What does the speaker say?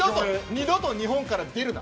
二度と日本から出るな。